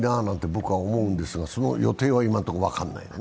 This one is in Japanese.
僕は思うんですが、その予定は今のところ分からないのね？